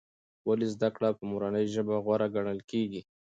ولې زده کړه په مورنۍ ژبه غوره ګڼل کېږي؟